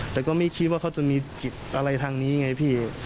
แต่ก็ไม่คิดว่าเขาจะมีจิตอะไรทางนี้ไงพี่